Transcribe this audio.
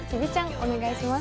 お願いします